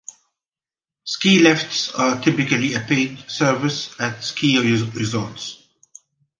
Ski lifts are typically a paid service at ski resorts.